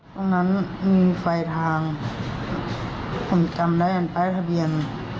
ตรงนั้นมีไฟทางผมจำได้อันป้ายทะเบียน